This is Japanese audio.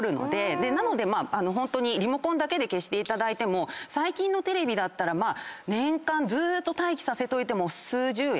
なのでホントにリモコンだけで消していただいても最近のテレビだったら年間ずーっと待機させておいても数十円。